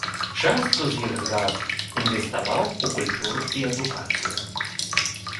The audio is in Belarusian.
Частку з іх граф інвеставаў у культуру і адукацыю.